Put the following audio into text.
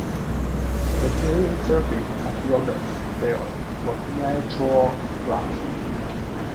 The playing surface at Rogers Field was natural grass.